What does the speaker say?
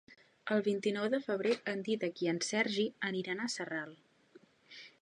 El vint-i-nou de febrer en Dídac i en Sergi aniran a Sarral.